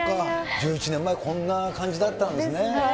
１１年前、こんな感じだったんですね。